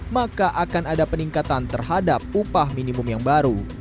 maka akan ada peningkatan terhadapnya